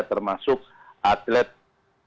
termasuk atlet renang dari indonesia